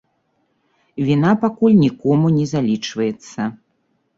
Віна пакуль нікому не залічваецца.